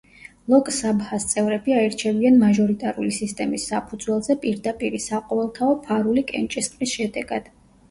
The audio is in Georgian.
ლოკ-საბჰას წევრები აირჩევიან მაჟორიტარული სისტემის საფუძველზე პირდაპირი, საყოველთაო, ფარული კენჭისყრის შედეგად.